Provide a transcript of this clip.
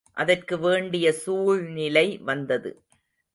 அதற்கு வேண்டிய சூழ்நிலை வந்தது.